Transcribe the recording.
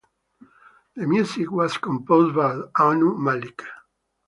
The music was composed by Anu Malik.